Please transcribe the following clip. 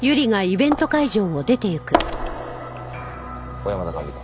小山田管理官。